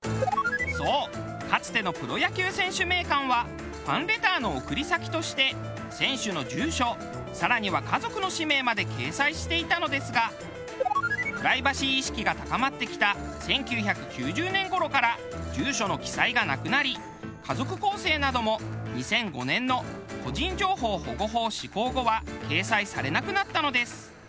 そうかつての『プロ野球選手名鑑』はファンレターの送り先として選手の住所更には家族の氏名まで掲載していたのですがプライバシー意識が高まってきた１９９０年頃から住所の記載がなくなり家族構成なども２００５年の個人情報保護法施行後は掲載されなくなったのです。